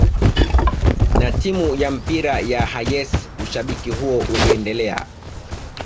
na timu ya mpira ya Hayes ushabiki huo uliendelea